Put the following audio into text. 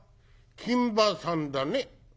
「金馬さんだね」。